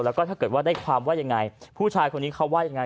แล้วก็ถ้าเกิดว่าได้ความว่ายังไงผู้ชายคนนี้เขาว่ายังไง